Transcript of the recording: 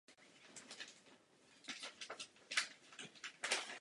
Nově se zúčastnily týmy Washington Capitals a Kansas City Scouts.